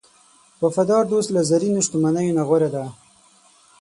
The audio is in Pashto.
وفادار دوست له زرینو شتمنیو نه غوره دی.